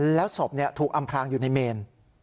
แล้วศพถูกอำพรางอยู่ในเมน